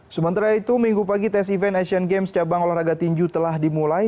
sementara itu minggu pagi tes event asian games cabang olahraga tinju telah dimulai